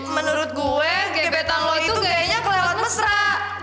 menurut gue gebetan lo itu kayaknya kelelot mesra